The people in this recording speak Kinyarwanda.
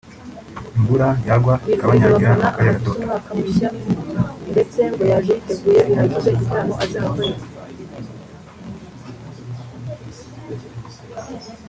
imvura yagwa ikabanyagira amakayi agatota